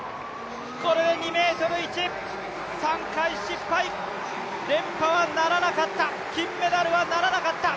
これで２ｍ１、３回失敗、連覇はならなかった金メダルはならなかった。